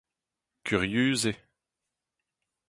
kurius eo